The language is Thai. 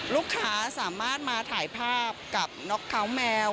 ลูกค้าสามารถมาถ่ายภาพกับน็อกเขาแมว